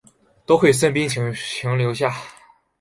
多亏孙膑说情留下。